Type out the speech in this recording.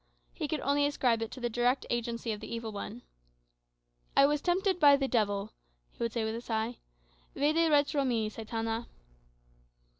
He could only ascribe it to the direct agency of the evil one. "I was tempted by the Devil," he would say with a sigh. "Vade retro me, Satana."